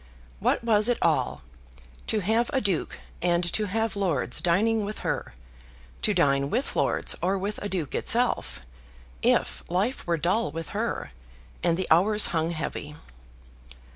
What was it all, to have a duke and to have lords dining with her, to dine with lords or with a duke itself, if life were dull with her, and the hours hung heavy!